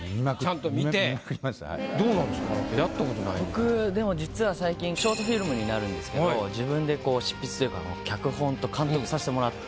僕でも実は最近ショートフィルムになるんですけど自分で執筆というか脚本と監督さしてもらって。